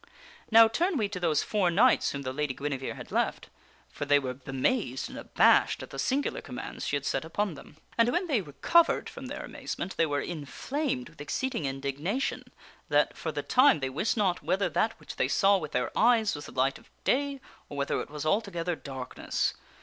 Now turn we to those four knights whom the Lady Guinevere had left. For they were bemazed and abashed at the singular commands she had set upon them. And when they recovered from their amazement, they were inflamed with exceeding indignation that, for the time, they wist not whether that which they saw with their eyes was the light of day, or whether it was altogether darkness.